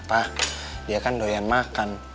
pak dia kan doyan makan